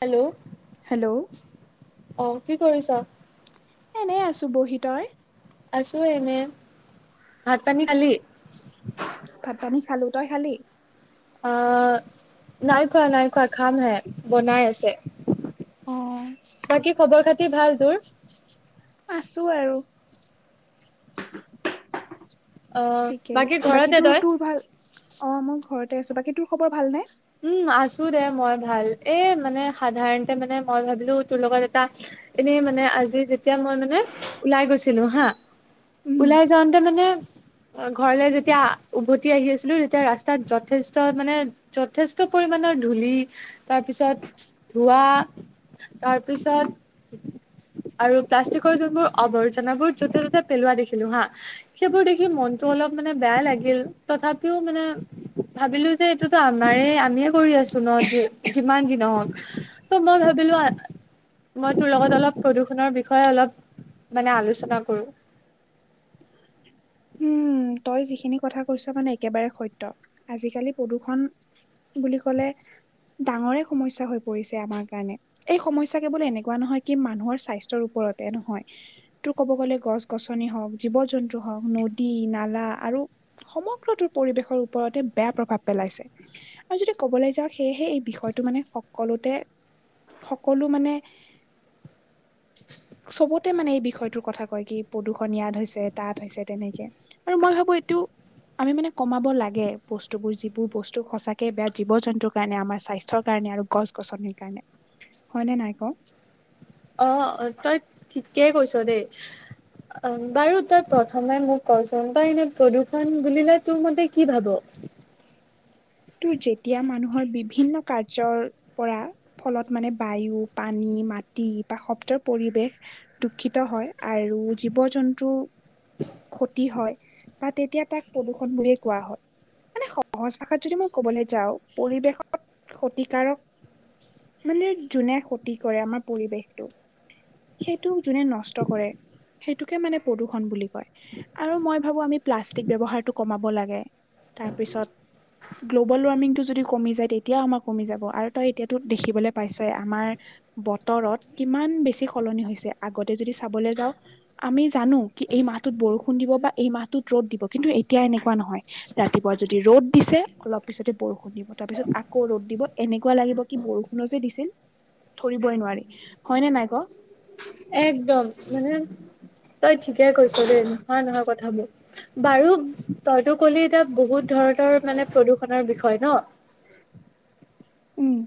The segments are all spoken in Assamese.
হেল্ল'। হেল্ল'। অ' কি কৰিছা? এনেই আছোঁ বহি। তই? আছোঁ এনে। ভাত পানী খালি? ভাত পানী খালো। তই খালি? অ' নাই খোৱা নাই খোৱা, খাম হে, বনাই আছে। অ' বাকী খবৰ খাতি ভাল তোৰ? আছোঁ আৰু। অ ঠিকেই, বাকী ঘৰতে তোৰ তই তোৰ ভাল, অ' মই ঘৰতে আছোঁ। বাকী তোৰ খবৰ ভাল নে? উম আছোঁ দে মই ভাল, এ, মানে সাধাৰণতে মানে মই ভাবিলো তোৰ লগত এটা এনেই মানে আজি যেতিয়া মই মানে ওলাই গৈছিলো হা উম ওলাই যাওঁতে মানে ঘৰলে যেতিয়া উভতি আহি আছিলোঁ, তেতিয়া ৰাস্তাত যথেষ্ট মানে যথেষ্ট পৰিমানৰ ধূলি, তাৰপিছত ধোৱা তাৰপিছত আৰু প্লাষ্টিকৰ যোনবোৰ আৱৰ্জনাবোৰ য'তে ত'তে পেলোৱা দেখিলো হা সেইবোৰ দেখি মনটো অলপ মানে বেয়া লাগিল, তথাপিও মানে ভাবিলোঁ যে এইটো আমাৰে আমিয়ে কৰি আছোঁ ন' যিমান যি নহওক। ত' মই ভাবিলোঁ আ মই তোৰ লগত অলপ প্ৰদূষণৰ বিষয়ে অলপ মানে আলোচনা কৰোঁ। [inaudible] উম, তই যিখিনি কথা কৈছ মানে একেবাৰে সত্য। আজিকালি প্ৰদূষণ বুলি কলে ডাঙৰে সমস্যা হৈ পৰিছে আমাৰ কাৰণে। এই সমস্যা কেৱল এনেকুৱা নহয় কি মানুহৰ স্বাস্থ্যৰ ওপৰতে, নহয় তো ক'ব গ'লে গছ গছনি হওক, জীৱ জন্তু হওক, নদী, নালা আৰু সমগ্ৰটোৰ পৰিৱেশৰ ওপৰতে বেয়া প্ৰভাৱ পেলাইছে। আৰু যদি কবলৈ যাওঁ, সেয়েহে এই বিষয়টো মানে সকলোতে সকলো মানে চবতে মানে এই বিষয়টোৰ কথা কয় কি প্ৰদূষণ ইয়াত হৈছে তে তাত হৈছে তেনেকে, আৰু মই ভাবোঁ এইটো আমি মানে কমাব লাগে বস্তুবোৰ যিবোৰ বস্তু সঁচাকে বেয়া জীৱ জন্তুৰ কাৰণে আমাৰ স্বাস্থ্যৰ কাৰণে আৰু গছ-গছনিৰ কাৰণে হয়নে নাই ক'। অ তই ঠিকেই কৈছোঁ দেই। অ বাৰু তই প্ৰথমে মোক কচোন তই এনে প্ৰদূষণ বুলিলে তোৰ মতে কি ভাবোঁ? তোৰ যেতিয়া মানুহৰ বিভিন্ন কাৰ্যৰ পৰা। ফলত মানে বায়ু পানী মাটি বা শব্দৰ পৰিৱেশ। দুষিত হয় আৰু জীৱ জন্তু। ক্ষতি হয় বা তেতিয়া তাক প্ৰদূ্ষণ বুলিয়ে কোৱা হয় মানে সহজ। ভাষাত যদি মই ক'বলৈ যাওঁ পৰিৱেশত ক্ষতিকাৰক। মানে যোনে ক্ষতি কৰে আমাৰ পৰিৱেশটোক। সেইটোক যোনে নষ্ট কৰে সেইটোকে মানে প্ৰদূষণ বুলি কয়। আৰু মই ভাবোঁ আমি প্লাষ্টিক ব্যৱহাৰটো কমাব লাগে তাৰপিছত। গ্ল'বেল ৱাৰ্মিংটো যদি কমি যায় তেতিয়াও আমাৰ কমি যাব আৰু তই এতিয়াতো দেখিবলৈ পাইছোঁৱে আমাৰ। বতৰত কিমান বেছি সলনি হৈছে আগতে যদি চাবলৈ যাওঁ। আমি জানোঁ কি এই মাহটোত বৰষুণ দিব বা এই মাহটোত ৰ'দ দিব কিন্তু এতিয়া এনেকুৱা নহয়। ৰাতিপুৱা যদি ৰ'দ দিছে। অলপ পিছতে বৰষুণ দিব তাৰ পিছত আকৌ ৰ'দ দিব এনেকুৱা লাগিব কি বৰষুণো যে দিছিল। ধৰিবই নোৱাৰি হয়নে নাই ক'। একদম মানে তই ঠিকে কৈছোঁ দেই নোহোৱা নহয় কথাবোৰ। বাৰু তইতো ক'লি এতিয়া বহুত ধৰণৰ মানে প্ৰদূষণৰ বিষয়ে নহ। উম।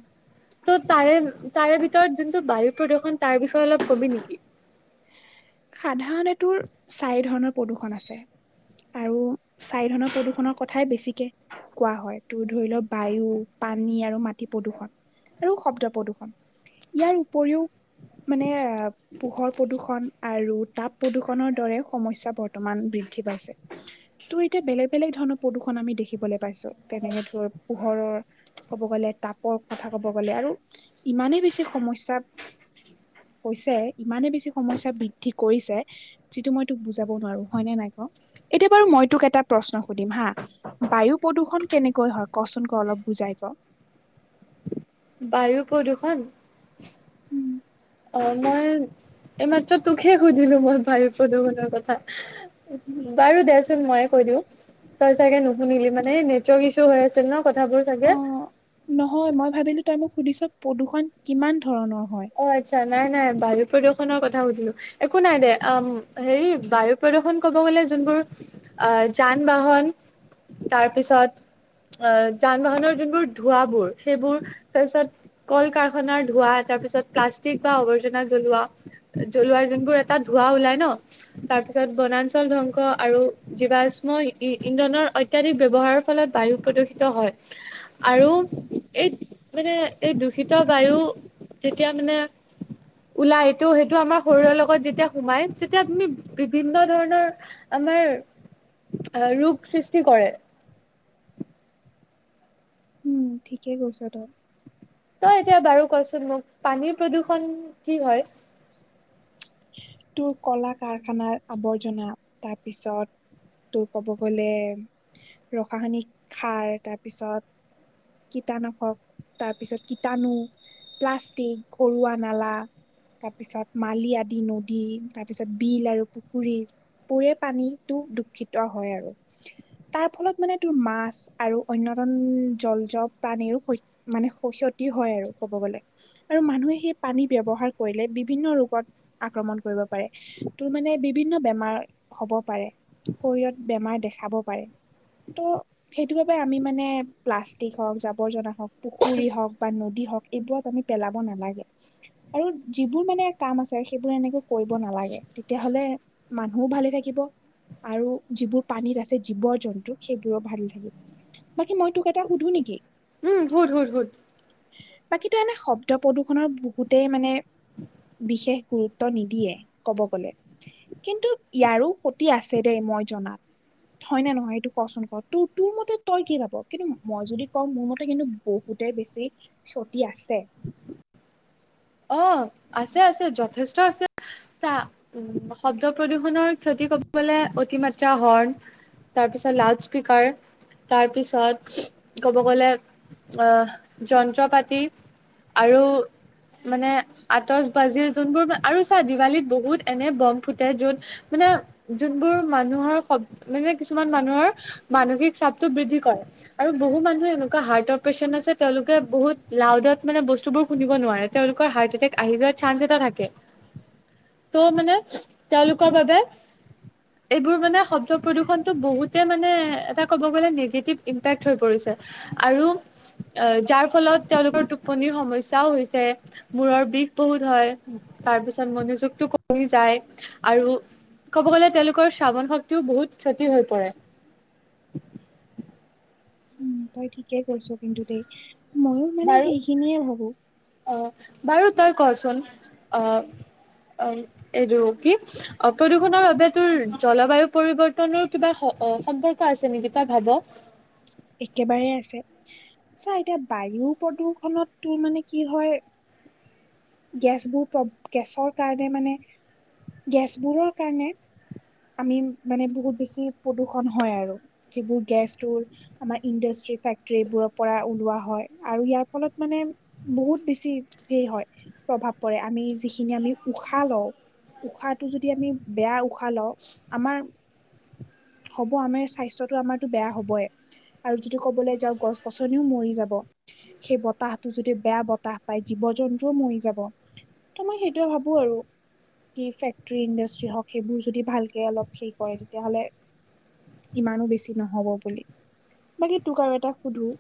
ত' তাৰে, তাৰে ভিতৰত যোনটো বায়ু প্ৰদূষণ তাৰ বিষয়ে অলপ ক'বি নেকি। সাধাৰণে তোৰ চাৰি ধৰণৰ প্ৰদূষণ আছে। আৰু চাৰি ধৰণৰ প্ৰদূষণৰ কথাই বেছিকে কোৱা হয় তোৰ ধৰি ল' বায়ু পানী আৰু মাটি প্ৰদূষণ। আৰু শব্দ প্ৰদূষণ। ইয়াৰ উপৰিও মানে পোহৰ প্ৰদূষন। আৰু তাপ প্ৰদূষণৰ দৰে সমস্যা বৰ্তমান বৃদ্ধি পাইছে। ত' এতিয়া বেলেগ, বেলেগ ধৰণৰ প্ৰদূষণ আমি দেখিবলৈ পাইছোঁ তেনেকে ধৰ পোহৰৰ। ক'ব গ'লে তাপৰ কথা ক'ব গ'লে আৰু ইমানেই বেছি সমস্যা। হৈছে ইমানে বেছি সমস্যা বৃদ্ধি কৰিছে। যিটো মই তোক বুজাব নোৱাৰো হয়নে নাই ক' এতিয়া বাৰু মই তোক এটা প্ৰশ্ন সুধিম হা। বায়ু প্ৰদূষণ কেনেকৈ হয় কচোন ক' অলপ বুজাই ক'। বায়ু প্ৰদূষণ। অ মই এইমাত্ৰ তোকহে সুধিলো মই বায়ু প্ৰদুষণনৰ কথা। বাৰু দেচোন মইয়ে কৈ দিওঁ। তই চাগে নুশুনিলি মানে নেটৱৰ্ক ইছু হৈ আছিল নহ কথাবোৰ অ চাগে। নহয় মই ভাবিলোঁ তই মোক সুধিছোঁ প্ৰদূষণ কিমান ধৰণৰ হয়। অ' আচ্ছা নাই, নাই বায়ু প্ৰদূষণৰ কথা সুধিলোঁ। একো নাই দে হেৰি বায়ু প্ৰদূষণ ক'ব গ'লে যোনবোৰ। আহ যান-বাহন তাৰপিছত। অ' যান-বাহনৰ যোনবোৰ ধোঁৱাবোৰ সেইবোৰ তাৰপিছত। কল কাৰখানাৰ ধোঁৱা তাৰ পিছত প্লাষ্টিক বা আৱৰ্জনা জ্বলোৱা। জ্বলোৱাৰ যোনবোৰ এটা ধোঁৱা ওলাই নহ তাৰপিছত বনাঞ্চল ধ্বংস আৰু। জীৱশ্ম ইন্ধনৰ অত্যাধিক ব্যৱহাৰৰ ফলত বায়ু প্ৰদূষিত হয়। আৰু এই মানে এই দূষিত বায়ু। তিয়া মানে। উলাই এইটো সেইটো আমাৰ শৰীৰৰ লগত যেতিয়া সোমাই তেতিয়া তুমি বিভিন্ন ধৰণৰ। আমাৰ ৰোগ সৃষ্টি কৰে। উম ঠিকে কৈছোঁ তই। তই এতিয়া বাৰু কচোন মোক পানীৰ প্ৰদূষণ কি হয়? তোৰ কলা কাৰখানাৰ আৱৰ্জনা তাৰপিছত তোৰ ক'ব গ'লে ৰসায়নিক সাৰ তাৰপিছত কীটানাশক তাৰপিছত কীটানু প্লাষ্টিক, ঘৰুৱা নালা তাৰপিছত মালি আদি নো নদী তাৰপিছত বিল আৰু পুখুৰী পোৰে পানীটো দুখিত হয় আৰু তাৰফলত মানে তোৰ মাছ আৰু অনয়তম জলজ প্ৰাণীৰো হৈ মানে খ ক্ষতি হয় আৰু ক'ব গ'লে আৰু মানুহে সেই পানী ব্যৱহাৰ কৰিলে বিভিন্ন ৰোগত আক্ৰমণ কৰিব পাৰে তোৰ মানে বিভিন্ন বেমাৰ হ'ব পাৰে শৰীৰত বেমাৰ দেখাব পাৰে ত' সেইটো বাবে আমি মানে প্লাষ্টিক হওঁক জাবৰ জনা হওক পুখুৰী হওক বা নদী হওক এইবোৰত আমি পেলাব নালাগে আৰু যিবোৰ মানে কাম আছে সেইবোৰ এনেকে কৰিব নালাগে তেতিয়াহলে মানুহও ভালে থাকিব। আৰু যিবোৰ পানীত আছে জীৱ জন্তু সেইবোৰো ভাল থাকিব। বাকী মই তোক এটা সুধোঁ নিকি? উম, সুধ সুধ সুধ বাকীতো এনে শব্দ প্ৰদূৰনৰ বহুতেই মানে বিশেষ গুৰুত্ব নিদি দিয়ে ক'ব গ'লে কিন্তু ইয়াৰো ক্ষতি আছে দে মই জনাত হয় নে নহয় এইটো কচোন ক, তোৰ তোৰ মতে তই কি ভাব কিন্তু মই যদি কওঁ মোৰ মতে কিন্তু বহুতে বেছি ক্ষতি আছে। অ আছে আছে যথেষ্ট আছে চা শব্দ প্ৰদূষণৰ ক্ষতি কবলে অতিমাত্ৰা হৰ্ণ তাৰপিছত লাউড স্পীকাৰ তাৰপিছত ক'ব গ'লে আহ যন্ত্ৰ পাতি আৰু মানে আতচ বাজি যোনবোৰ আৰু চা দিৱালীত বহুত এনে বম ফুটে য'ত মানে যোনবোৰ মানুহৰ শব মানে কিছুমান মানুহৰ মানসিক চাপটো বৃদ্ধি কৰে। আৰু বহু মানুহে এনেকুৱা হাৰ্টৰ পেচেন্ত আছে তেওঁলোকে বহুত লাউডত মানে বস্তুবোৰ শুনিব নোৱাৰে। তেওঁলোকৰ হাৰ্ট এটেক আহি যোৱাৰ চান্স এটা থাকে। ত' মানে তেওঁলোকৰ বাবে এইবোৰ মানে শব্দ প্ৰদূষণটো বহুতে মানে এটা ক'ব গ'লে নিগেটিভ ইম্পেক্ট হৈ পৰিছে। আৰু অ', যাৰফলত তেওঁলোকৰ টোপনিৰ সমস্যাও হৈছে। মূৰৰ বিষ বহুত হয়, তাৰ পিছত মনোযোগতটো কমি যায় আৰু ক'ব গ'লে তেওঁলোকৰ শ্ৰাৱণ শক্তিও বহুত ক্ষতি হৈ পৰে উম তই ঠিকে কৈছ কিন্তু দেই ময়ো মানে বাৰু সেইখিনিয়ে ভাবোঁ। অ', বাৰু তই কচোন অ', অ', এইটো কি অ প্ৰদূষণৰ বাবে তোৰ জলবায়ু পৰিৱৰ্তনৰ কিবা স-অ', সম্পৰ্ক আছে নিকি তই ভাব? একেবাৰে আছে, চা এতিয়া বায়ু প্ৰদূৰ্ষনত তোৰ মানে কি হয় গেছবোৰ প্ৰ-গেছৰ কাৰণে মানে গেছবোৰৰ কাৰণে। আমি মানে বহুত বেছি প্ৰদূ্ষন হয় আৰু যিবোৰ গেছটোৰ আমাৰ ইণ্ডাষ্ট্ৰি ফেক্টীবোৰৰ পৰা ওলোৱা হয় আৰু ইয়াৰ ফলত মানে বহুত বেছি হেৰি হয় প্ৰভাৱ পৰে আমি যিখিনি আমি উশাহ লওঁ উশাহটো যদি আমি বেয়া উশাহ লওঁ আমাৰ হ'ব আমাৰ স্বাস্থটো আমাৰটো বেয়া হ'বই আৰু যদি কবলৈ যাওঁ গছ গছনিও মৰি যাব। সেই বতাহতটো যদি বেয়া বতাহ পায় জীৱ জন্তুও মৰি যাব। ত' মই সেইটোয়ে ভাবোঁ আৰু। কি ফেক্টৰী ইণ্ডাষ্ট্ৰি হওঁক সেইবোৰ যদি ভালকে অলপ ঠিক হয় তেতিয়াহ'লে ইমানো বেছি নহ'ব বুলি বাকী তোক আৰু এটা সুধোঁ।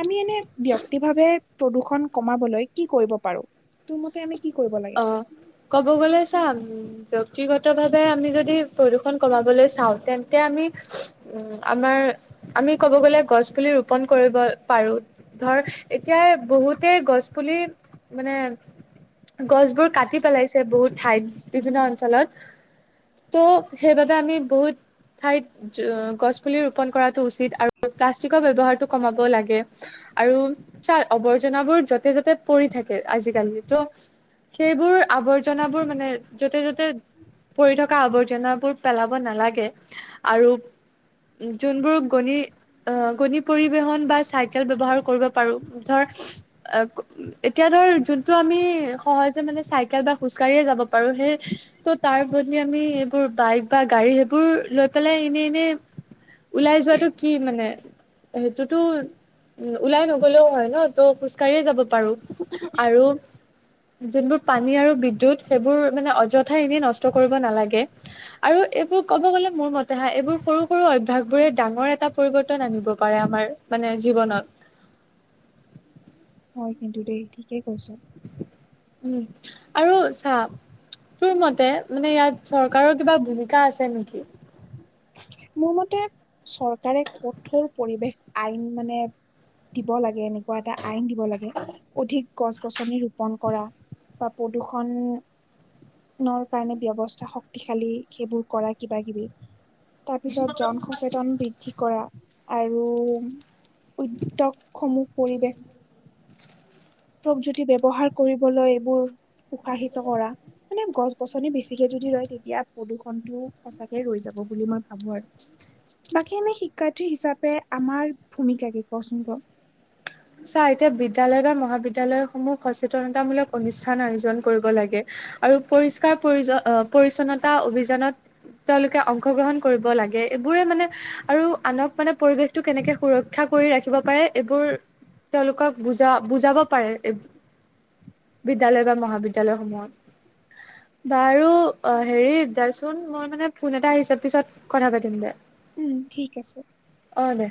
আমি এনে ব্যক্তি ভাবে প্ৰদূষণ কমাবলৈ কি কৰিব পাৰো? তোৰ মতে আমি কি কৰিব লাগে? অ', ক'ব গ'লে চাম ব্যক্তি গত ভাৱে আমি যদি প্ৰদূষন কমাবলৈ চাওঁ তেন্তে আমি আমাৰ আমি ক'ব গ'লে গছ পুলি ৰোপন কৰিব পাৰোঁ। ধৰ এতিয়া বহুতেই গছ পুলি মানে গছবোৰ কাটি পেলাইছে বহুত ঠাইত বিভিন্ন অঞ্চলত ত' সেইবাবে আমি বহুত ঠাইত গছ পুলি ৰোপন কৰাটো উচিত আৰু প্লাষ্টিকৰ ব্যৱহাৰটো কমাব লাগে। আৰু চাহ আৱৰ্জনাবোৰ য'তে য'তে পৰি থাকে আজিকালি তো সেইবোৰ আৱৰ্জনাবোৰ মানে য'তে য'তে পৰি থকা আৱৰ্জনাবোৰ পেলাব নালাগে আৰু যোনবোৰ গণি অ', গণী পৰিবহন বা চাইকেল ব্যৱহাৰ কৰিব পাৰো ধৰ অ', এতিয়া ধৰ যোনটো আমি সহজে মানে চাইকেল বা খোজকাঢ়িয়ে যাব পাৰো সেই ত' তাৰ বদলি আমি এইবোৰ বাইক বা গাড়ী সেইবোৰ লৈ পেলাই এনে এনে ওলাই যোৱাটো কি মানে? সেইটোতো উ ওলাই নগলেও হয় ন ত খোজ কঢ়িয়ে যাব পাৰো। আৰু যোনবোৰ পানী আৰু বিদ্যুত সেইবোৰ মানে অযথা এনেই নষ্ট কৰিব নালাগে। আৰু এইবোৰ ক'ব গ'লে মোৰ মতে হা এইবোৰ সৰু সৰু অভ্যাস বোৰে ডাঙৰ এটা পৰিবৰ্তন আনিব পাৰে আমাৰ। মানে জীৱনত। হয় কিন্তু দেই ঠিকেই কৈছ। আৰু চা। তোৰ মতে মানে ইয়াত চৰকাৰৰ কিবা ভূমিকা আছে নেকি। মোৰ মতে চৰকাৰে কঠোৰ পৰিৱেষ আইন মানে দিব লাগে এনেকুৱা এটা আইন দিব লাগে অধিক গছ গছনি ৰোপন কৰা। বা প্ৰদূৰষণ কাৰণে ব্যবস্থা শক্তিশালী সেইবোৰ কৰা কিবা কিবি। তাৰ পিছত জন সচেতন বৃদ্ধি কৰা আৰু। উদ্যোগসমূহ পৰিৱেশ প্ৰযুক্তি ব্যৱহাৰ কৰিবলৈ এইবোৰ উৎসাহিত কৰা। মানে গছ-গছনি বেছিকে যদি ৰয় তেতিয়া প্ৰদূষণটো সঁচাকে ৰৈ যাব বুলি মই ভাবোঁ আৰু। বাকী আমি শিক্ষাৰ্থী হিচাপে আমাৰ ভূমিকা কি কওঁ চোন ক। চা এতিয়া বিদ্যালয় বা মহাবিদ্যালয় সমূহ সচেতনতামূলক অনুষ্ঠান আয়োজন কৰিব লাগে আৰু পৰিষ্কাৰ পৰিজো অ', পৰিচ্ছন্নতা অভিযানত তেওঁলোকে অংশগ্ৰহণ কৰিব লাগে, এইবোৰে মানে আৰু আনক মানে পৰিৱেশ টো কেনেকে সুৰক্ষা কৰি ৰাখিব পাৰে এইবোৰ তেওঁলোকক বুজা বুজাব পাৰে এইব বিদ্যালয় বা মহাবিদ্যালয়সমূহত। বাৰু অ', হেৰি দেচোন মই মানে ফোন এটা আহিছে পিছত কথা পাতিম দে। উম ঠিক আছে। অ', দে।